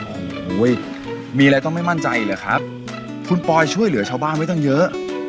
โอ้โหมีอะไรต้องไม่มั่นใจเหรอครับคุณปอยช่วยเหลือชาวบ้านไว้ตั้งเยอะ